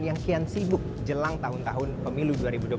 yang kian sibuk jelang tahun tahun pemilu dua ribu dua puluh empat